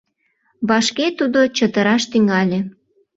Вашке тудо чытыраш тӱҥале.